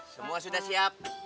semua sudah siap